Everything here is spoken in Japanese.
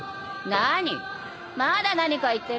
まだ何か言ってるの？